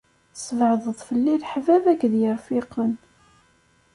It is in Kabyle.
Tesbeɛdeḍ fell-i leḥbab akked yirfiqen.